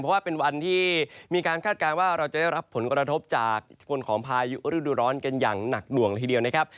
เพราะว่าเป็นวันที่มีการคาดการณ์ว่าเราจะได้รับผลกระทบจากอิทธิพลของพายุฤดูร้อนกันอย่างหนักหน่วงละทีเดียวนะครับ